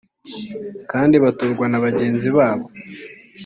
kandi batorwa na bagenzi babo